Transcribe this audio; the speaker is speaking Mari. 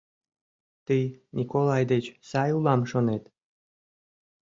Тый Николай деч сай улам, шонет?